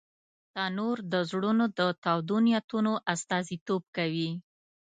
تنور د زړونو د تودو نیتونو استازیتوب کوي